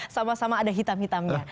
sama sama ada hitam hitamnya